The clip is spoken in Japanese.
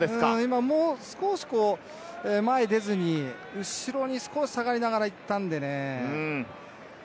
少し前に出ずに後ろに少し下がりながらいったんでね。